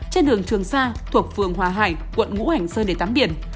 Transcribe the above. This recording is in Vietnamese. trên đường trường sa thuộc phường hòa hải quận ngũ hành sơn để tắm biển